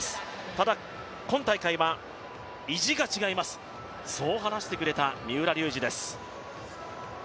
ただ、今大会は意地が違います、そう話してくれた三浦龍司です。